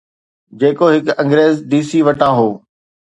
جيڪو هڪ انگريز ڊي سي وٽان هو.